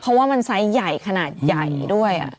เพราะว่ามันไซส์ใหญ่ขนาดใหญ่ด้วย